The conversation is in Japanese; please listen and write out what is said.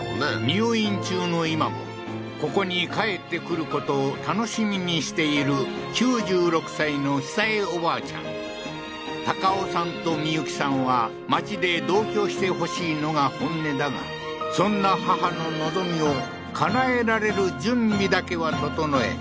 入院中の今もここに帰ってくることを楽しみにしている９６歳の壽江おばあちゃん隆雄さんとみゆきさんは町で同居してほしいのが本音だがそんな母の望みをかなえられる準備だけは整え